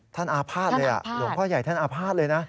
ท่านอาพาทเลยอ่ะหลวงพ่อใหญ่ท่านอาพาทเลยนะ